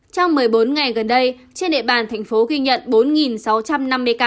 trong một mươi bốn ngày gần đây trên địa bàn tp ghi nhận bốn sáu trăm năm mươi ca